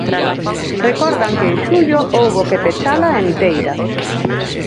Recordan que en xullo houbo que pechala enteira.